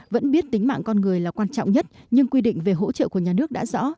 vẫn biết tính mạng con người là quan trọng nhất nhưng quy định về hỗ trợ của nhà nước đã rõ